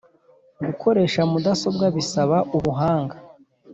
Gukoresha mudasobwa bisaba ubuhanga